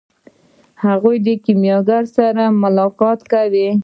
هغه د کیمیاګر سره ملاقات کوي.